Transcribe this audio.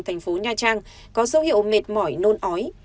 thành phố nha trang có dấu hiệu mệt mỏi nôn ói